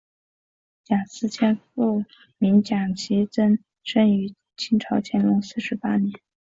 蒋斯千父名蒋祈增生于清朝乾隆四十八年。